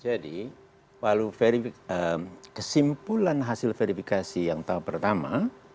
jadi kesimpulan hasil verifikasi yang pertama